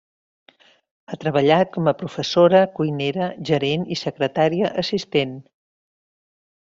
Ha treballat com a professora, cuinera, gerent i secretària assistent.